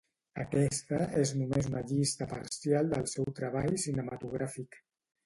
Aquesta és només una llista parcial del seu treball cinematogràfic.